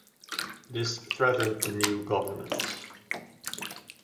This threatened the new governments.